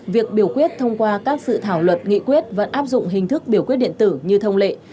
việc biểu quyết thông qua các sự thảo luật nghị quyết vẫn áp dụng hình thức biểu quyết điện tử như thông lệ